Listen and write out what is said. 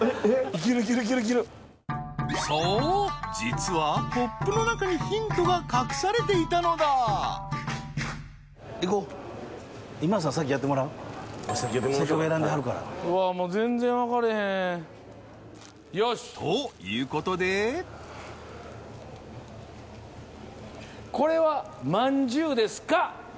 そう実はポップの中にヒントが隠されていたのだうわもう全然分からへん。ということでこれはまんじゅうですか？